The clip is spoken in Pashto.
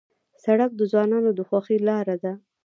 سړک د ځوانانو د خوښۍ لاره ده.